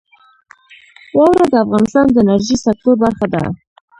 واوره د افغانستان د انرژۍ سکتور برخه ده.